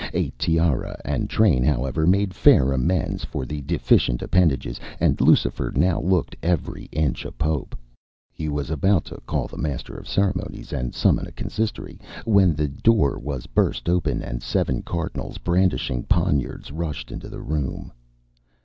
A tiara and a train, however, made fair amends for the deficient appendages, and Lucifer now looked every inch a Pope. He was about to call the master of the ceremonies, and summon a consistory, when the door was burst open, and seven cardinals, brandishing poniards, rushed into the room.